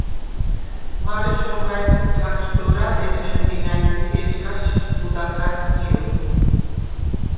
მარე შომვა̈ჲ ქუფს ლა̈ხშდორან, ეჯნემ ღინ ა̈ნკიდ ი ეჩქას შიშდ გუდ აჴად გიო.